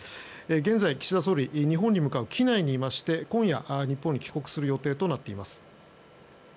現在、岸田総理日本に向かう機内にいまして今夜、日本に帰国する予定となっています。